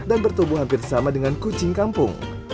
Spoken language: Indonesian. dan bertubuh hampir sama dengan kucing kampung